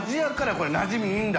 これなじみいいんだ。